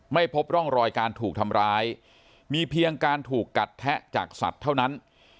ไม่พบร่องรอยการถูกทำร้ายมีเพียงการถูกกัดแทะจากสัตว์เท่านั้น